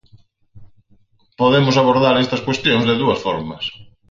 Podemos abordar estas cuestións de dúas formas.